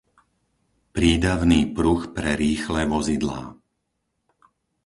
prídavný pruh pre rýchle vozidlá